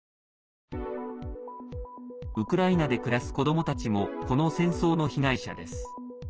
ウクライナで暮らす子どもたちもこの戦争の被害者です。